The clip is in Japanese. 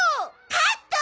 カット！